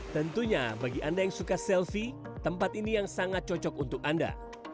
tentunya bagi anda yang suka selfie tempat ini yang sangat cocok untuk anda